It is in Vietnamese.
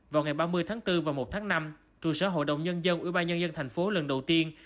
vào ngày ba mươi tháng bốn và một tháng năm trụ sở hội đồng nhân dân ủy ban nhân dân thành phố lần đầu tiên